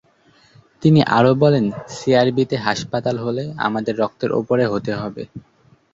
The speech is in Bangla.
তিনি আরও বলেন, সিআরবিতে হাসপাতাল হলে আমাদের রক্তের ওপরে হতে হবে।